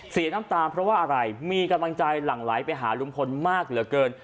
เสียน้ำตาเพราะว่าอะไรมีกำลังใจหลั่งไหลไปหาลุงพลมากเหลือเกิน